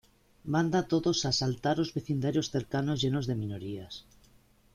Manda a todos a asaltar los vecindarios cercanos llenos de minorías.